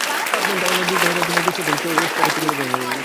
আপনার ধারণার যোগ্য হবার জন্যে দুঃসাধ্য চেষ্টা করতে গেলে ভেঙে পড়ব।